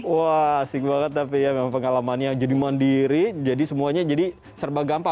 wah asik banget tapi ya memang pengalamannya jadi mandiri jadi semuanya jadi serba gampang